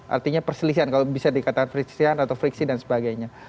artinya perselisihan kalau bisa dikatakan friksian atau friksi dan sebagainya